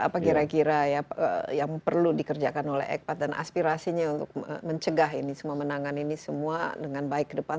apa kira kira ya yang perlu dikerjakan oleh ekpat dan aspirasinya untuk mencegah ini semua menangan ini semua dengan baik ke depan